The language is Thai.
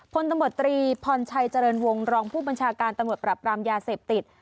พลตำรวจตรีพรชัยเจริญวงศรองผู้บัญชาการตำรวจปรับรามยาเสพติด